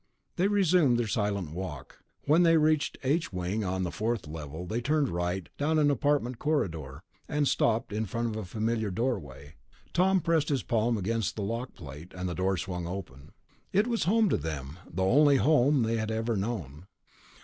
They resumed their silent walk. When they reached H wing on the fourth level, they turned right down an apartment corridor, and stopped in front of a familiar doorway. Tom pressed his palm against the lock plate, and the door swung open. It was home to them, the only home they had ever known.